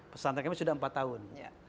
pesantren kami sudah empat tahun